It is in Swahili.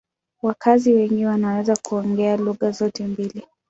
Wakazi wengi wanaweza kuongea lugha zote mbili.